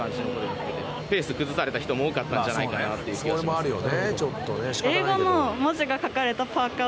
ペース崩された人も多かったんじゃないかなという気はしますね。